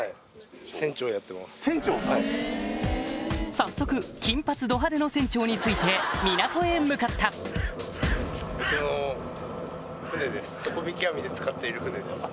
早速金髪ど派手の船長について港へ向かったはい。